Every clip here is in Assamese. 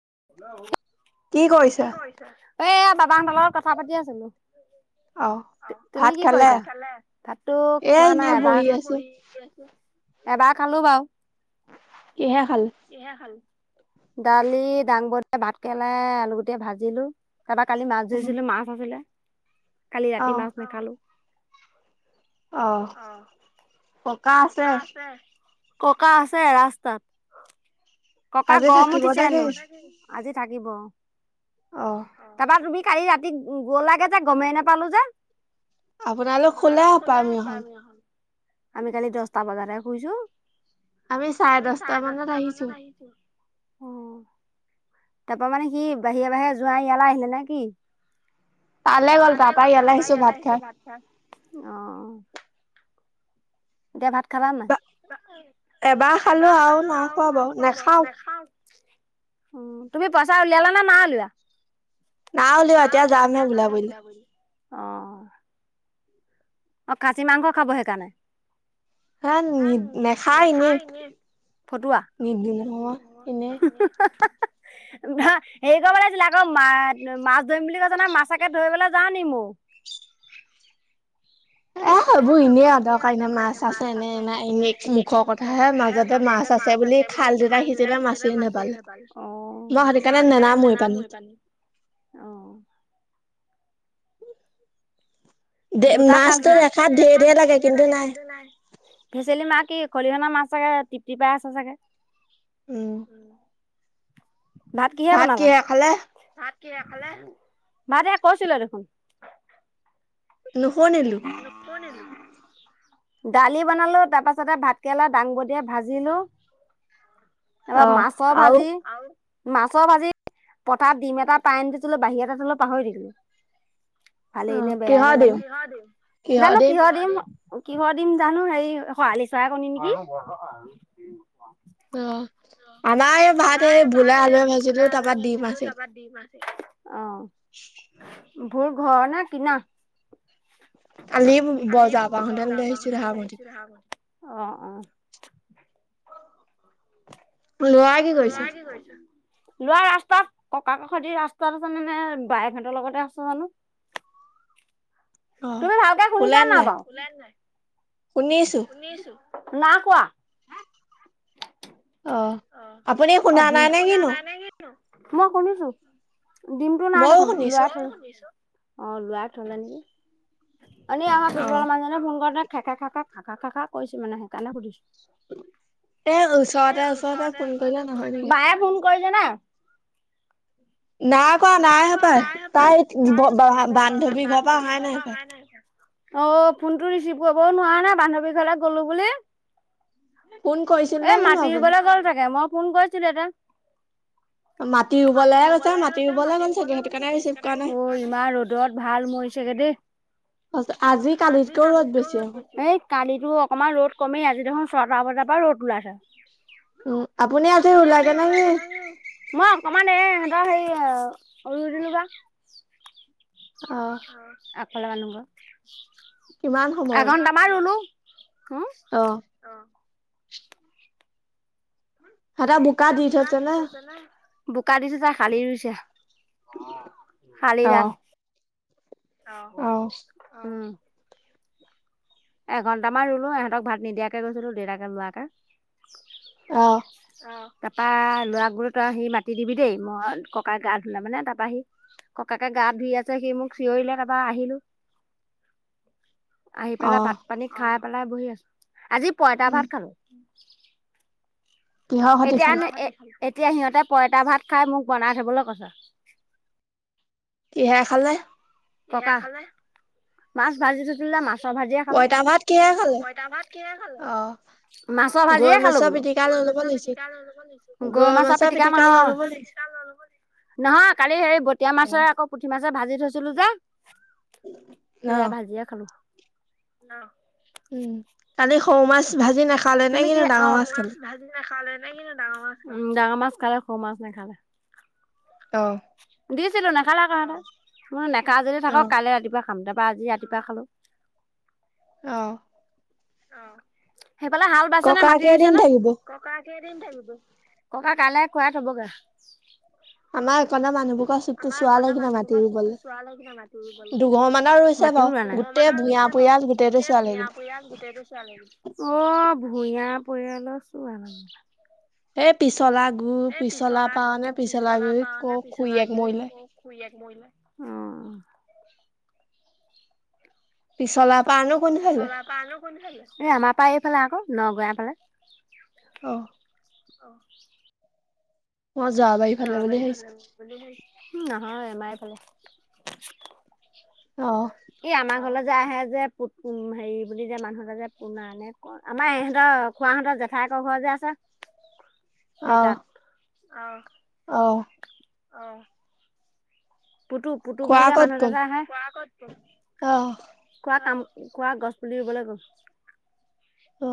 এ বাবা হতৰ লগত কথা পাতি আছিলো। হয়। তুমি কি কৰিছা? ভাতটো খোৱা নাই এবাৰ। এবাৰ খালো বাৰু দালি। দাংবডি ভাত কেলাই আলু গুটি ভাজিলো কাৰবাৰ কালি মাছ ধৰিছিলো মাছ আছিলে। কালি ৰাতি মাছ নাখালো। আহ ককা আছে ককা আছে ৰাস্তাত ককা গম উঠিছেনো আজি থাকিব তাৰপা তুমি কালি ৰাতি গ'লাগে যে গমেই নোপালো যে আপোনালালোক খোলে হ পামি হ'লে আমি কালি দশটা বজ শুইছো আমি চাৰে দশটা মানত আহিছো তাৰাপা মানে সি বাহিৰে বাহিৰে যোৱাই ইয়ালা আহিলে নে কি আল গল ত পাই আলিছো ভাত খাত এতিয়াা ভাত খাবা মা এবাৰ খালো আৰু নাখোৱা বাৰু নাখাও উ তুমি পইচা উলিয়ালা নে না উলওা না হ'লেও এতিয়া যামে বলাবলে অ অ খাচী মাংস খাব সেইকাৰণে হা নি নেখায় ন ফটোুৱা হেৰি কৰিব লাগিছিলে আকৌ মা মাছ ধৰিম বুলি কৈছে ন মাছকে ধৰিবলৈ যা নি মোৰ আহ সবোৰ এনেই আদৰকাৰ এনে মাছ আছে এনে এনে এনেই মুখৰ কথাাহে মাজতে মাছ আছে বুলি খাল দুাই সিটো মাছে নাপাল মই সেইকাৰণে নেনামই পানী দুটা খাল মাছো এসাত ধেৰ ধেৰ লাগে কিন্তু নাই ভেচেলি মা কি খলিহনা মাছ চাগে তৃপ্তিপাইছ চাগে ভাত কিহে বনালা মা দে কৈছিলো দেখোন নহ আৰু কন এলো দালি বনালো তাৰ পাছতে ভাতকৰেলা দাংব দিয়া ভাজিলো এবাৰ মাছৰ ভাজি মাছৰ ভাজি পথাত ডিম এটা পাইন দি তলো বাহিৰ এটা তলও পাহৰি দিলো ভালেইনে বেয়াই নাজানো জানো কিহৰ দিম কিহৰ দিন জানো হেই খৰালি চৰা কণী নেকি অ আমাৰ এই ভাত এই বোলাই হালোৱা ভাজিলো তাৰপৰা দিিম আছিল ভোৰ ঘৰ ন কিনা আলি বজাবা স লৈ আহিছিল হ অ অ লোৱা কি কৰিৈছ লোৱা ৰাস্তাত ককা কাষতি ৰাস্তাত আছে নে বায়ে ভঁতৰ লগতে আছে জানো তুমি ভালকে শুনিছা নাই বাৰ নাই শুনিছো না কোৱা অ শুনা নাই নাই কিনো মই শুনিছো ডিমটো নাই দেখোন লৈ আছো অ লৰা থলো নেকি এনে আমাৰ পিছবালৰ মানুহ ভ খেকা খে খ কা কা কাক কৈছে মানে সেইকাৰণে সুধিছো এ ওচৰতে ওচৰতে ফোন কৰি বাহে ফোন কৰি ন নাই কৰাোৱা নাই হ পায় তাই বান্ধৱী ঘৰ পৰা অহাই নাই হ পায় অ', ফোনটো ৰিচিভ কৰিবও নোৱাৰা নে বান্ধৱী ঘৰলে গ'লো বুলি। এ মাটতিবলে গ'ল চাগে মই ফোন কৰিছিলোঁ এতিয়া। [inaudible] মাটি ৰুবলে গৈছে মাটি ৰুবলে গল চাগে সেইটো কাৰনে, অ, ইমান ৰ'দত ভাল মৰিছেগে তে আজি কালিটকেও ৰ'দ বেছি, সেই কালিটো অকনমান ৰ'দ কমেই আজি দেখোন চটা বজাৰ পৰা ৰ'দ ওলাইছে। উ, আপুনি আজি ওলাই [unintelligible] মই অকমান সেই হেৰি উৰু [unintelligible] [unintelligible] মানুহবোৰ এঘণ্টামা ৰুলো। অ', তাতে বোকা দি থৈছে নে, বোকা দি চিচিছে হালি ৰুইছে। হালিদান। অ', অ', উম, এঘন্টামান ৰুলো এহঁতক ভাত নিদিয়াকে গৈছিলো দেউতাকে ল'ৰাকে। অ, তাৰপৰা লৰাক বুলু তই সি মাতি দিবি দেই মই ককাই গা ধুলে মানে তাৰপৰা সি ককাকে গা ধুই আছে সি মোক চিঞৰিলে তাৰপৰা আহিলো। [inaudible] আহি পেলাই ভাত খাই পেলাই বহি আছোঁ, আজি পইতা ভাত খালো। এতিয়া এতিয়া সিহঁতে পইতা ভাত খাই মোক বনাই থবলৈ কৈছে। কিহে খালে? ককা, মাছ ভাজি থৈছিলোঁ যে মাছ মাছৰ ভাজিয়ে খালোঁ, পইতা ভাত কিহে খালে? মাছৰ ভাজিয়ে খালোঁ বুলু, গৈ মাছৰ পিটিকা লৈ ল'ব লাগিছিলে, গৈ মাছৰ পিটিকা নহয়, গৈ মাছৰ পিটিকা [inaudible] নহয় কালি হে বতীয়া মাছৰে আকৌ পুঠি মাছ ভাজি থৈছিলোঁ যে সেইয়া ভাজিয়ে খালো। উম, কালি সৌ মাছ উম, তুমি কিহে অ', সৰু মাছ ভাজি নাখালে নে কি নো ডাঙৰ মাছ উম, ডাঙৰ মাছ খালে সৰু মাছ নাখালে। অ, দিছিলোঁ নেখালে আকৌ সিহঁতে, নেখা যদি থাকক কাইলে ৰাতিপুৱা খাম তাৰ পাৰা আজি ৰাতিপুৱা খালোঁ। অ', অ, সেইফালে হাল বাইছে নে মাতি ৰুইছে নে, ককা কেইদিন থাকিব, ককা কাইলে কুৰাই থ'বগে। আমাৰ এইখনহে মানুহবোৰ। [unintelligible] মাটি ৰুবলে, দুঘৰ মানৰ ৰুইছে বাৰু গোটেই ভূঞা গোটেই ভূঞা পৰিয়াল গোটেইটো চোৱা লাগিলে, অ, ভূঞা পৰিয়ালৰ চোৱা লাগিলে। এ পিছলা গুুৰ পিছলা পা নে পিছলা গুৰি ক খুড়ীয়েক মৰিলেই। অ', পিছলা পৰা আনো কোনে ফালে? এই আমাৰ পৰা এইফালে আকৌ নগৈয়া ফালে। অ', অ', মই, জোৰাবাৰী ফালে বুলি ভাবিছিলোঁ। উ নহয় এমাৰফালে ই আমাৰ ঘৰত যে আহে যে পু হেৰি বুলি যে মানুহ যে পুণাণনে আমাৰ ইহঁতৰ খোৱাাহঁতৰ জেঠাই ঘৰ যে আছে আহ অ অ আহ পুতু পুতু বুলি যোৱা মানুহ এাক যে আহে আহ কাম কৰা গছ পুলি ৰুবলৈ গ'ল অ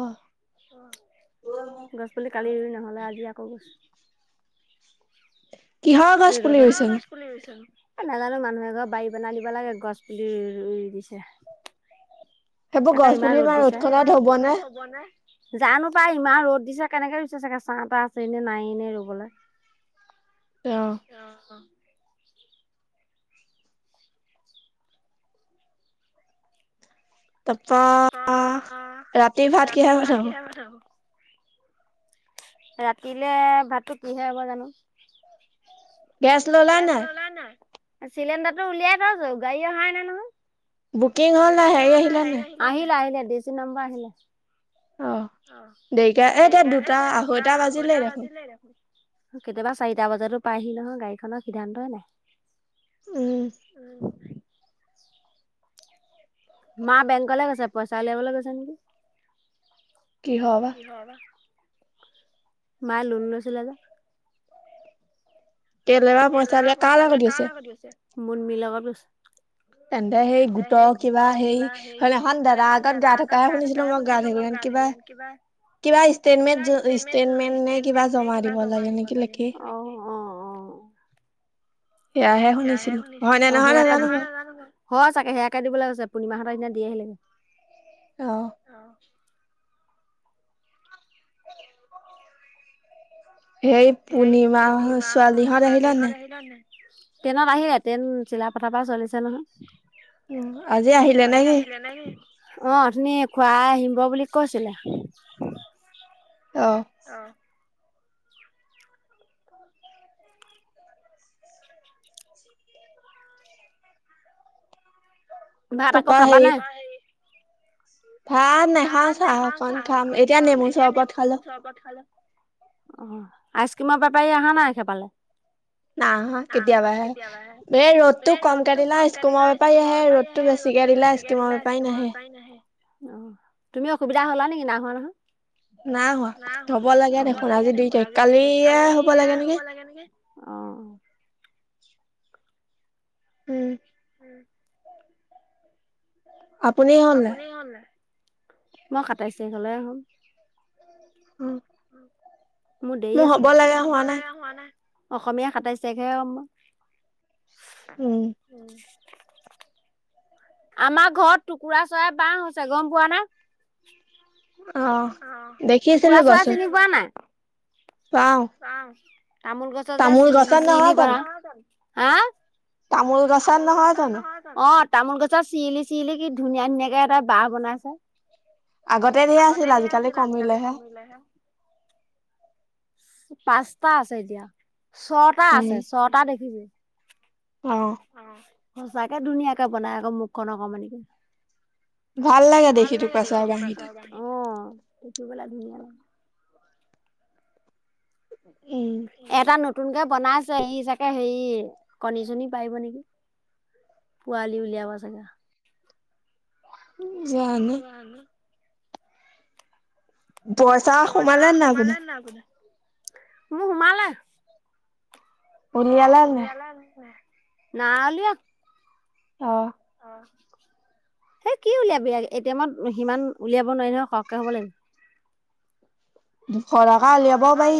গছ পুলি কালি নহলে আজি আকৌ গছ কিহৰ গছপুলি নাজানো মানুহে ঘৰ বাৰী বনাই দিব লাগে গছ পুলি ৰু দিছে তাকে ইমান ৰ'দ দিছে ইমান ৰ'দ কৰাত হ'ব ন জানো পাই ইমান ৰ'দ দিছে কেনেকে ৰুইছে চাগে চাহ তাহ আছে এনে নাই এনে ৰুবলৈ [inaudible] আহ তাৰপৰা ৰাতিৰ ভাত কিহে পঠাব ৰাতিলে ভাতটো কিহে হ'ব জানো গেছ ললা নাই চিলিণ্ডাৰটো উলিয়াই থছো গাড়ী অহাই নে নহয় বাকী আহিল আহিল দেচি নাম্বৰ আহিল অ দেৰিকে এ এতিয়া দুটা আহ আঢ়ৈটা বাজিল ৰাখো কেতিয়াবা চাৰিটা ব বজাতো পায়হি নহয় গাড়ীখনৰ সিদ্ধান্তহে নাই মা বেংক লৈ গৈছে পইচা উলিবলৈ গৈছে নেকি কি মায়ে লোন লৈছিলে যে কেলেবা পইচা লিয়ে কাৰ লগ ক দি আছে মুন মিলৰ পিছ [inaudible] তেন্তে সেই গোটৰ কিবা সেই হনা এখন দাদাৰ আগত গা থকাহে শুনিছিলো মই গা থাকিলোন কিবা ন কিবা কিবা ষ্টটমে ষ্টেটমেন্ট নে কিবা জমাৰিব লাগে বা [inaudible] সেয়াহে শুনিছো নাজানো গ হয় চাগে সেয়াকে দিবলৈ কৈছে পূৰ্ণিমাহতৰ সদিনা দি আহিলোগে আহ সেই পূৰ্ণিমা ছোৱালীহত ৰ আহিলে নে নাই ট্ৰেইনত আহিলে ট্ৰেইন চিলা পথাৰ পৰা চলিছে নহয় উ আজি আহিলে নে কি অ তুমি খুৱাই আহিব বুলি কৈছিলে অ ভাত আকৌ খাবানে ভাত নেখাওঁ চাহ অকন খাম এতিয়া নেমু চৰবত খালো অ আইচ ক্ৰীিমৰ বেপাৰী অহা নাই সেফালে না কেতিয়াবাহে এই ৰ'দতটো কম ক দিলা স্কমৰ বপাৰ আহে ৰ'দতটো বেছি তুমি অসুবিধা হলা নেকি নাঙৰ নহয় [inaudible] নাই হোৱা হ'ব লাগে দেখোন আজি দুই তাৰিখ কালিয় হ'ব লাগে নেকি [inaudible] [inaudible] উম। আপুনি হ'ল নাই? মই সাতাইশ তাৰিখলৈ হ'ম। [unintelligible] মোৰ দেৰি আছে, মোৰ হব লাগে হোৱা নাই। অসমীয়া সাতাইশ তাৰিখেহে হম মই। আমাৰ ঘৰত টুকুৰা চৰাই বাহ হৈছে, গম পোৱা নে। অ', টুকুৰা চৰাই চিনি পোৱা নাই? পাও, অ', তামোল গছৰ যে চিল চিল, [unintelligible] হা তামোল গছত নহয় জানো? অ', তামোল গছৰ চিৰিলি চিৰিলি কি ধুনীয়া ধুনীয়াকে এটা বাঁহ বনাইছে। আগতে ধেই আছিল, আজিকালি কমিলেহে। পাঁচটা আছে এতিয়া, ছটা আছে, ছটা দেখিছো। সচাকে ধুনীয়াকে বনাই আকৌ, মুখখন অকমানিকে। ভাল লাগে দেখি, [unintelligible] অ'। দেখিবলে ধুনীয়া লাগে। এটা নতুনকে বনাইছে, এই চাগে হেৰি, কণী চনী পাৰিব নেকি। পোৱালি উলিয়াব চাগে। জানো। পইচা সোমালে নাই আপোনাৰ? মোৰ সোমালে। উলিয়ালে নে নাই? নাই উলিয়া। অ'। [unintelligible] সে কি উলিয়াবি আৰু, এ টি এমত হিমান উলিয়াব নোৱাৰি নহয়, সৰহকৈ হ'ব লাগিব। দুখ' টকা উলিয়াব পাৰি।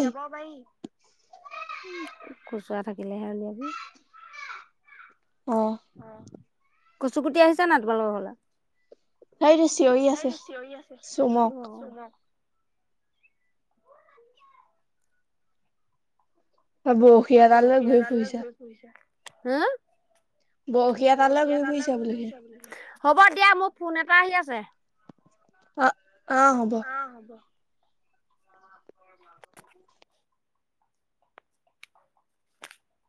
খুচুৰা থাকিলেহে উলিয়াবি। অ', কচু গুটি আহিছে নাই তোমালোকৰ ঘৰলে? সেইটো চিঞৰি আছে, চুমক বৰশী এডাল লৈ ঘূৰি ফুৰিছে। হম। বৰশী এডাল লৈ ঘূৰি ফুৰিছে বোলো, হব দিয়া, মোৰ ফোন এটা আহি আছে। অ', অ', হ'ব।